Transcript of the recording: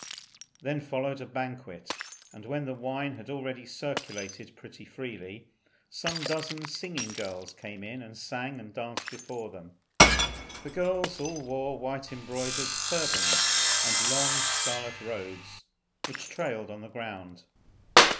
Then followed a banquet, and when the wine had already circulated pretty freely, some dozen singing girls came in and sang and danced before them. The girls all wore white embroidered turbans, and long scarlet robes which trailed on the ground.